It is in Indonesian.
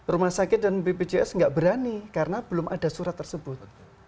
rumah sakit dan bpjs nggak berani karena belum ada surat tersebut